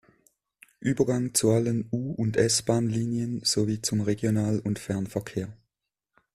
Übergang zu allen U- und S-Bahnlinien sowie zum Regional- und Fernverkehr.